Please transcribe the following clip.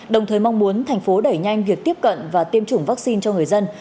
đồng thời mong muốn thành phố đẩy nhanh việc tiếp cận và tiêm chủng vaccine cho người dân